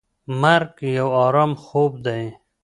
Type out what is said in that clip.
مرګ یو ارام خوب دی.